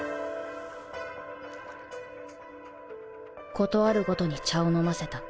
事あるごとに茶を飲ませた